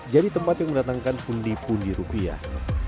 jadi tempat yang mendatangkan pundi pundi rupiah